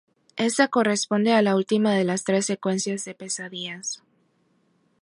Esta corresponde a la última de las tres secuencias de pesadillas.